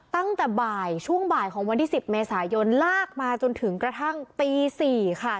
ตั้งแต่บ่ายช่วงบ่ายของวันที่๑๐เมษายนลากมาจนถึงกระทั่งตี๔ค่ะ